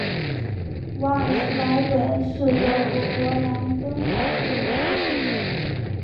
瓦尔斯莱本是德国勃兰登堡州的一个市镇。